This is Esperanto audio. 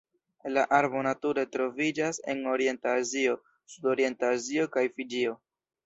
La arbo nature troviĝas en Orienta Azio, Sudorienta Azio kaj Fiĝio.